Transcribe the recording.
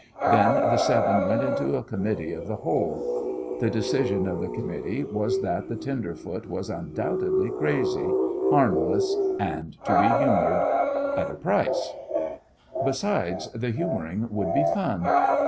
Then the seven went into a committee of the whole. The decision of the committee was that the tenderfoot was undoubtedly crazy, harmless, and to be humoured at a price. Besides, the humouring would be fun.